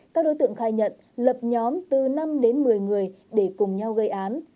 các đối tượng khai nhận lập nhóm từ năm đến một mươi người để cùng nhau gây án